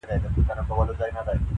اباسین راغی غاړي غاړي-